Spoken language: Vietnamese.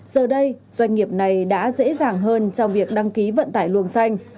giờ đây doanh nghiệp này đã dễ dàng hơn trong việc đăng ký vận tải luồng xanh